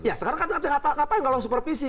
ya sekarang kan ngapain kalau supervisi